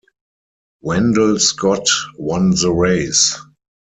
Wendell Scott won the race.